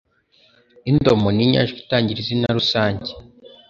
Indomo ni inyajwi itangira izina rusange